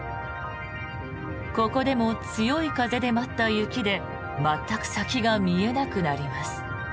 ここでも強い風で舞った雪で全く先が見えなくなります。